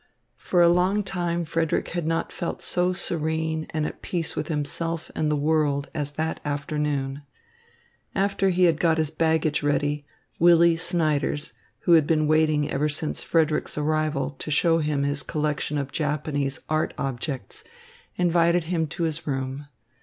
For a long time Frederick had not felt so serene and at peace with himself and the world as that afternoon. After he had got his baggage ready, Willy Snyders, who had been waiting ever since Frederick's arrival to show him his collection of Japanese art objects, invited him to his room.